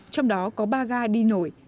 trong đó có ba ga đi nổi